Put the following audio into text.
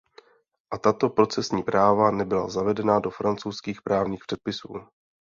A tato procesní práva nebyla zavedena do francouzských právních předpisů.